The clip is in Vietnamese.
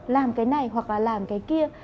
làm cái này hoặc là làm cái kia